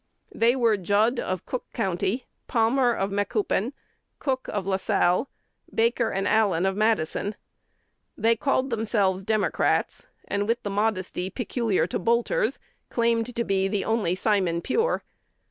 They were Judd of Cook County, Palmer of Macoupin, Cook of La Salle, Baker and Allen of Madison. They called themselves Democrats, and, with the modesty peculiar to bolters, claimed to be the only "Simon pure."